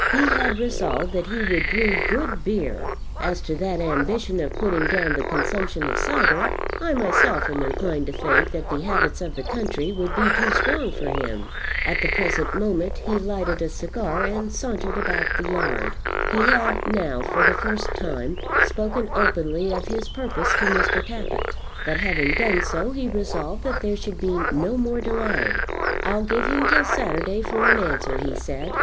He had resolved that he would brew good beer. As to that ambition of putting down the consumption of cider, I myself am inclined to think that the habits of the country would be too strong for him. At the present moment he lighted a cigar and sauntered about the yard. He had now, for the first time, spoken openly of his purpose to Mr. Tappitt; but, having done so, he resolved that there should be no more delay. "I'll give him till Saturday for an answer," he said.